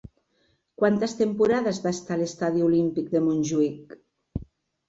Quantes temporades va estar a l'Estadi Olímpic de Montjuïc?